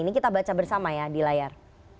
ini kita baca bersama ya di layar